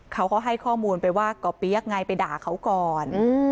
เขาก็ให้ข้อมูลไปว่าก่อเปี๊ยกไงไปด่าเขาก่อน